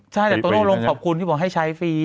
ใช่แต่โตโน่ลงขอบคุณที่บอกให้ใช้ฟรี